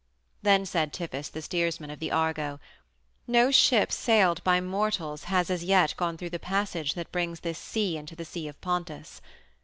Then said Tiphys, the steersman of the Argo: "No ship sailed by mortals has as yet gone through the passage that brings this sea into the Sea of Pontus.